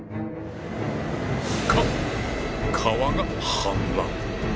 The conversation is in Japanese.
か川が氾濫！